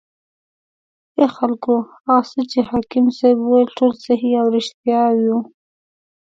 ای خلکو هغه څه چې حاکم صیب وویل ټول صحیح او ریښتیا و.